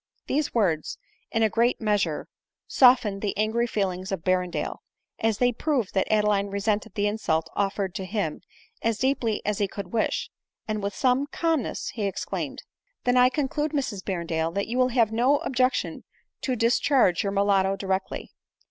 These words, in a great measure, softened the angry feelings of Berrendale, as they proved that Adeline re sented the insult offered to him as deeply as he could wish ; and with some calmness he exclaimed, " Then I conclude, Mrs Berrendale, that you will have no objec tion to discharge your mulatto direcdy." 224 ADELINE MOWBRAY.